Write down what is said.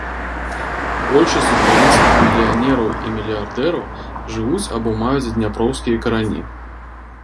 Большасць украінскіх мільянераў і мільярдэраў жывуць або маюць дняпроўскія карані.